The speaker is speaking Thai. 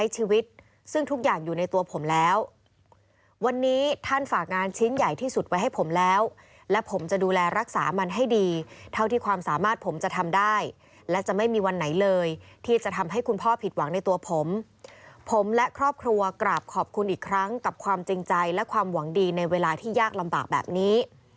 ที่สุดไว้ให้ผมแล้วและผมจะดูแลรักษามันให้ดีเท่าที่ความสามารถผมจะทำได้และจะไม่มีวันไหนเลยที่จะทำให้คุณพ่อผิดหวังในตัวผมผมและครอบครัวกราบขอบคุณอีกครั้งกับความจริงใจและความหวังดีในเวลาที่ยากลำบากแบบนี้